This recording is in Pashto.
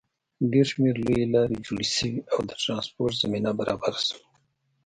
ډېر شمېر لویې لارې جوړې شوې او د ټرانسپورټ زمینه برابره شوه.